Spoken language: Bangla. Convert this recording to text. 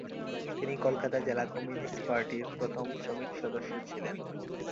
তিনি কলকাতা জেলা কমিউনিস্ট পার্টির প্রথম শ্রমিক সদস্য ছিলেন।